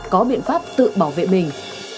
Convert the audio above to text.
có biện pháp tự bảo vệ mình